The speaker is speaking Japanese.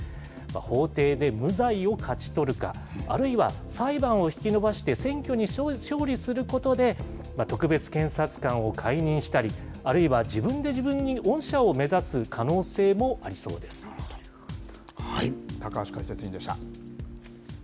法廷で無罪を勝ち取るか、あるいは裁判を引き延ばして選挙に勝利することで、特別検察官を解任したり、あるいは自分で自分に恩赦を目指す可能高橋解説委員でした。